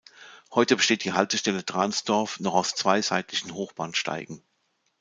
Heute besteht die Haltestelle Dransdorf noch aus zwei seitlichen Hochbahnsteigen.